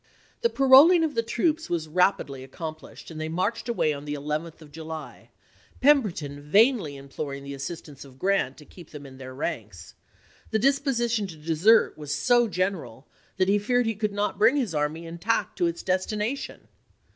The paroling of the troops was rapidly accom plished, and they marched away on the 11th of July, Pemberton vainly imploring the assistance lsea of Grant to keep them in their ranks ; the disposi tion to desert was so general that he feared he could not bring his army intact to its destination.